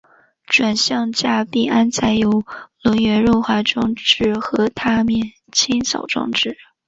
转向架并安装有轮缘润滑装置和踏面清扫装置。